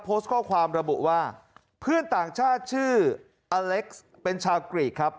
โพสต์ข้อความระบุว่าเพื่อนต่างชาติชื่ออเล็กซ์เป็นชาวกรีกครับ